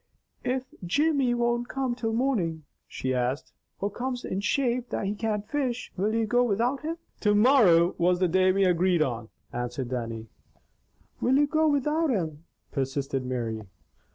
"If Jimmy don't come till morning," she asked, "or comes in shape that he can't fish, will you go without him?" "To morrow was the day we agreed on," answered Dannie. "Will you go without him?" persisted Mary.